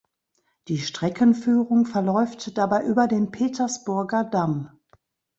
Die Streckenführung verläuft dabei über den Petersburger Damm.